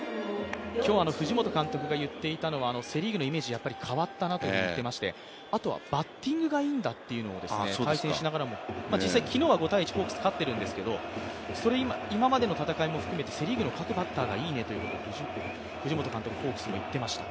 今日、藤本監督が言っていたのはセ・リーグのイメージ変わったなと言ってまして、あとはバッティングがいいんだということを、実際昨日は５−１、ホークスが勝っているんですけど今までの戦いも含めても、藤本監督もホークスも言っていました。